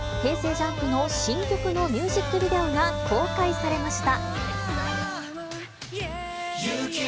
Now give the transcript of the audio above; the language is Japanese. ＪＵＭＰの新曲のミュージックビデオが公開されました。